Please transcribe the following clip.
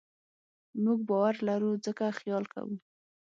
موږ باور لرو؛ ځکه خیال کوو.